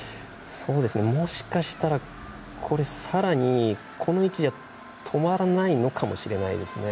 もしかしたら、さらにこの位置でとまらないのかもしれないですね。